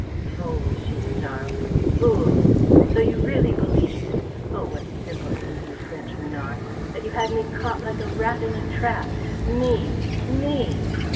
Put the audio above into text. "Fools!" she snarled. "Fools! So you really believed oh, what simpletons you Frenchmen are! that you had me caught like a rat in a trap? Me! Me!